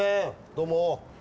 どうも。